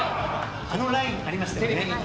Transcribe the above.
あのラインありましたよね。